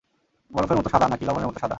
বরফের মতো সাদা, নাকি লবণের মতো সাদা?